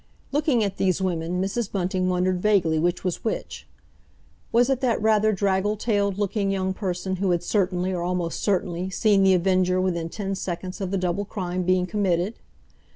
Looking at these women, Mrs. Bunting wondered vaguely which was which. Was it that rather draggle tailed looking young person who had certainly, or almost certainly, seen The Avenger within ten seconds of the double crime being committed?